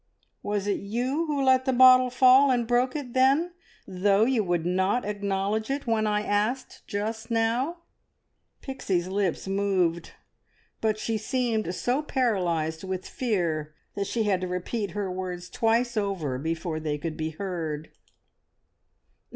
Was it you who let the bottle fall and broke it, then, though you would not acknowledge it when I asked just now?" Pixie's lips moved, but she seemed so paralysed with fear that she had to repeat her words twice over before they could be heard.